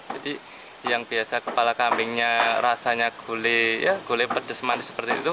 jadi yang biasa kepala kambingnya rasanya gulai ya gulai pedas manis seperti itu